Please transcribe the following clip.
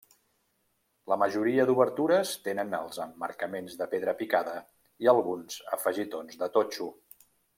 La majoria d'obertures tenen els emmarcaments de pedra picada i alguns afegitons de totxo.